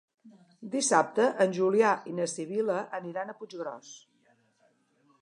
Dissabte en Julià i na Sibil·la aniran a Puiggròs.